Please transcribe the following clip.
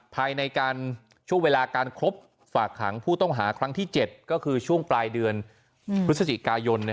ภายในช่วงเวลาการครบฝากขังผู้ต้องหาครั้งที่๗ก็คือช่วงปลายเดือนพฤศจิกายน